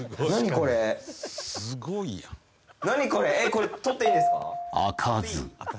これ取っていいんですか？